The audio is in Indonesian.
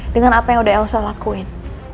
dengan apa yang udah elsa lakuin